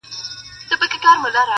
سوال جواب د اور لمبې د اور ګروزونه٫